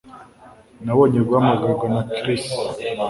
Nabonye guhamagarwa na Chris